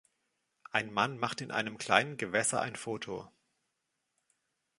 Ein Mann macht in einem kleinen Gewässer ein Foto.